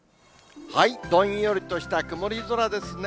どんよりとした曇り空ですね。